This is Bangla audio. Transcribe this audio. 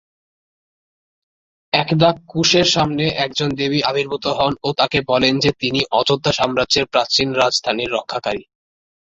একদা কুশের সামনে একজন দেবী আবির্ভূত হন ও তাকে বলেন যে তিনি অযোধ্যা সাম্রাজ্যের প্রাচীন রাজধানীর রক্ষাকারী।